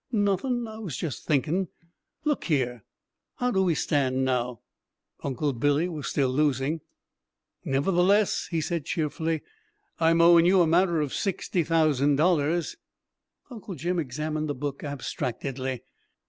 "Nothin', I was just thinkin'. Look here! How do we stand now?" Uncle Billy was still losing. "Nevertheless," he said cheerfully, "I'm owin' you a matter of sixty thousand dollars." Uncle Jim examined the book abstractedly.